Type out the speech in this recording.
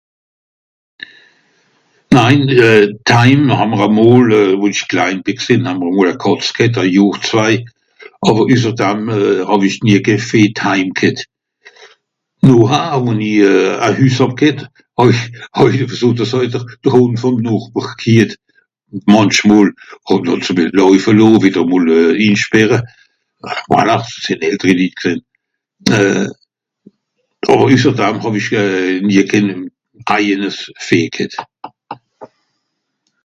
nein euh t'Haim hàmmr à mòl euh wò ìsch klain bì ggsìn hàmmr à mòl à Katz g'hett à Johr zwai àwer üsserdam euh hàw'isch nie keh Fee t'Haim g'hett norah wòn'i à Hüss hàb g'hett hàwi hàw'ìsch .... de Hùnd vòm Nàchber ... ùn mànch mòl hàn àls à bìssel läufe lohn wìtter à mòl ìnschpeere euh voilà sìnn elteri Lit g'sìn euh àw üsserdam hàw'ìsch nie kehn eijenesch Fee g'hett